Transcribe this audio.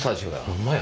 ホンマや。